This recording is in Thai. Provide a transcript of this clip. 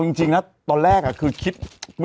แต่อาจจะส่งมาแต่อาจจะส่งมา